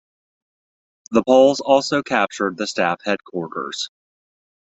The Poles also captured the staff headquarters.